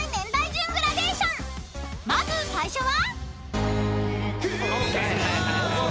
［まず最初は？］